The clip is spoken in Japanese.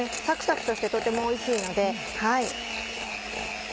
サクサクとしてとてもおいしいので。